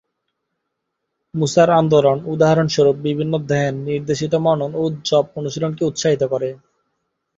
মুসার আন্দোলন, উদাহরণস্বরূপ, বিভিন্ন ধ্যান, নির্দেশিত মনন ও জপ অনুশীলনকে উৎসাহিত করে।